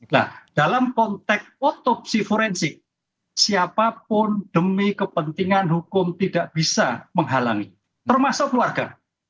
nah dalam konteks otopsi forensik siapapun demi kepentingan hukum tidak bisa menghalangi termasuk keluarga